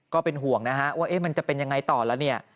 ก็เป็นห่วงนะฮะว่ามันจะเป็นยังไงต่อแล้วเนี่ย